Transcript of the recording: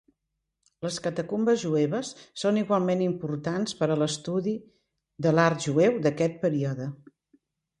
Les catacumbes jueves són igualment importants per a l'estudi de l'art jueu d'aquest període.